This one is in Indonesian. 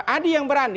ada yang berani